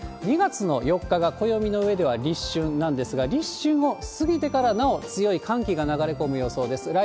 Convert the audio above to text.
２月の４日が暦の上では立春なんですが、立春を過ぎてから、なお強い寒気が流れ込む予想です。